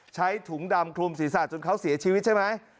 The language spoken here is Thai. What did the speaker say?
ใช้ถุงดำคลุมศีรษะจนเขาเสียชีวิตใช่ไหม